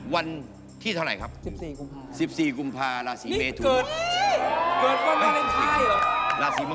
วันที่เท่าไหร่ครับ